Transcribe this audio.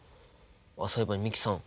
あっそういえば美樹さん。